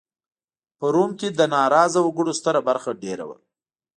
په روم کې د ناراضه وګړو ستره برخه دېره وه